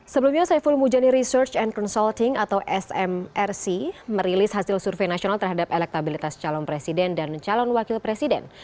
sebelumnya saiful mujani research and consulting atau smrc merilis hasil survei nasional terhadap elektabilitas calon presiden dan calon wakil presiden